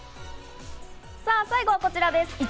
最後はこちらです。